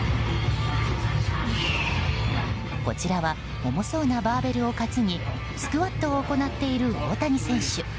こちらは重そうなバーベルを担ぎスクワットを行っている大谷選手。